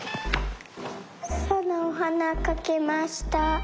さなおはなかきました。